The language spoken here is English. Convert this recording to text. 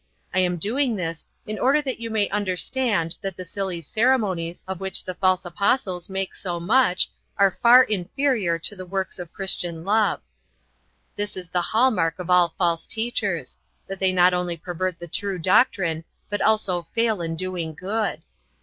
I am doing this in order that you may understand that the silly ceremonies of which the false apostles make so much are far inferior to the works of Christian love." This is the hall mark of all false teachers, that they not only pervert the pure doctrine but also fail in doing good.